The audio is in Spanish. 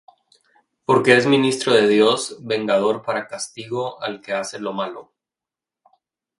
porque es ministro de Dios, vengador para castigo al que hace lo malo.